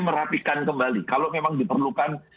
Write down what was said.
merapikan kembali kalau memang diperlukan